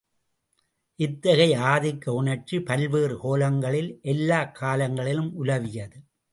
இத்தகைய, ஆதிக்க உணர்ச்சி பல்வேறு கோலங்களில், எல்லாக் காலங்களிலும் உலவியது.